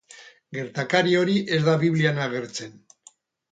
Gertakari hori ez da Biblian agertzen.